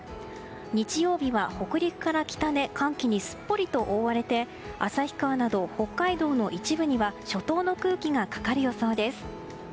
日曜日は、北陸から北で寒気にすっぽりと覆われて旭川など北海道の一部には初冬の空気がかかる予想です。